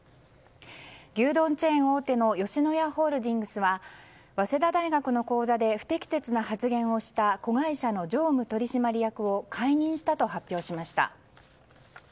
牛丼チェーン大手の吉野家ホールディングスは早稲田大学の講座で不適切な発言をした子会社の常務取締役を解任したと発表しました。